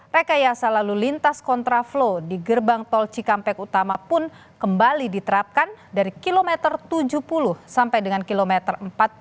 rekayasa lalu lintas kontraflow di gerbang tol cikampek utama pun kembali diterapkan dari kilometer tujuh puluh sampai dengan kilometer empat puluh